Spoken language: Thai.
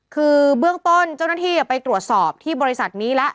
คือเบื้องต้นเจ้าหน้าที่ไปตรวจสอบที่บริษัทนี้แล้ว